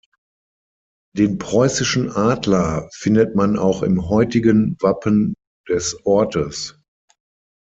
Den preußischen Adler findet man auch im heutigen Wappen de Ortes.